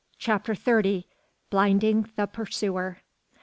CHAPTER THIRTY. BLINDING THE PURSUER.